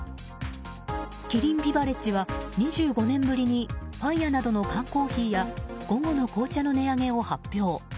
キリンビバレッジは２５年ぶりにファイヤなどの缶コーヒーや午後の紅茶の値上げを発表。